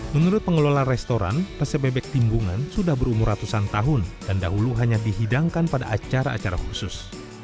menurut pengelola restoran resep bebek timbungan sudah berumur ratusan tahun dan dahulu hanya dihidangkan pada acara acara khusus